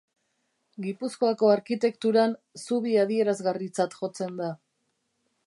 Gipuzkoako arkitekturan zubi adierazgarritzat jotzen da.